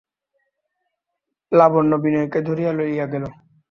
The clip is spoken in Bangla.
লাবণ্য বিনয়কে ধরিয়া লইয়া গেল।